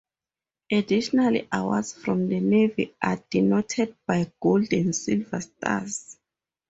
Additional awards from the Navy are denoted by gold and silver stars.